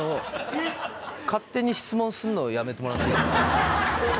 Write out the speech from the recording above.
勝手に質問するのやめてもらっていいですか